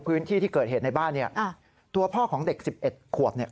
พื้นที่ที่เกิดเหตุในบ้านเนี่ยตัวพ่อของเด็กสิบเอ็ดขวบเนี่ย